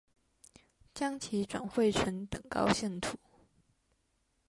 將其轉繪成等高線圖